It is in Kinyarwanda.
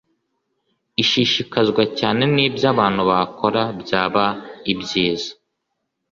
ishishikazwa cyane n ibyo abantu bakora byaba ibyiza